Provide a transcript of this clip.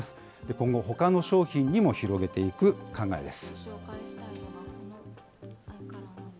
今後、ほかの商品にも広げていく考えです。